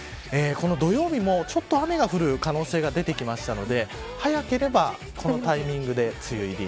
土曜日もちょっと雨が降る可能性が出てきましたので早ければこのタイミングで梅雨入り。